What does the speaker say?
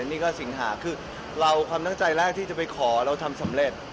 นี่ก็สิงหาคือเราความตั้งใจแรกที่จะไปขอเราทำสำเร็จ